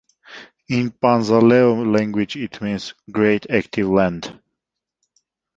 In the Panzaleo language it means: Great active land.